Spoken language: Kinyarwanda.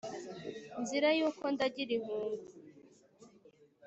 nzira y' uko ndagira inkungu